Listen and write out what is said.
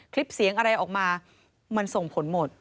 คลิปเสียงอะไรออกมามันส่งผลหมด